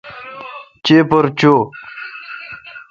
چیپر چو۔